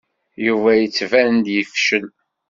Yuba yettban-d yefcel.